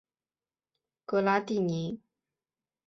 格拉蒂尼。